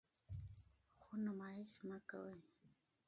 خو نمایش مه کوئ.